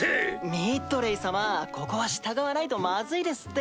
ミッドレイ様ここは従わないとまずいですって。